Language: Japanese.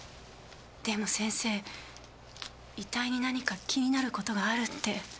でも先生遺体に何か気になる事があるって。